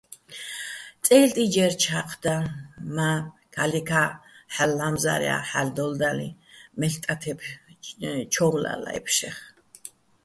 წე́ლტი ჯერ ჩაჴ და, მა́ ქა́ლიქა́ ჰ̦ალო̆ ლა́მზარჲაჼ ჰ̦ალო̆ დო́ლდალიჼ, მელ' ტათებ ჩო́ვლალა აჲფშეხ.